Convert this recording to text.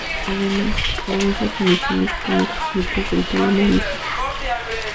Además, produce conexiones con otros núcleos del tálamo mismo.